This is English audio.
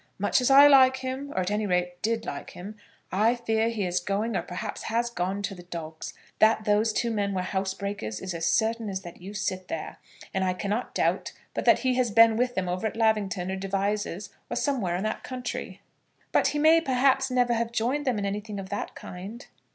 Much as I like him, or at any rate did like him, I fear he is going, or perhaps has gone, to the dogs. That those two men were housebreakers is as certain as that you sit there; and I cannot doubt but that he has been with them over at Lavington or Devizes, or somewhere in that country." "But he may, perhaps, never have joined them in anything of that kind."